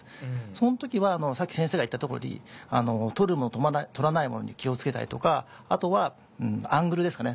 その時はさっき先生が言った通り撮るもの撮らないものに気を付けたりとかあとはアングルですかね